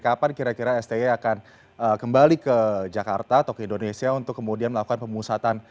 kapan kira kira sti akan kembali ke jakarta atau ke indonesia untuk kemudian melakukan pemusatan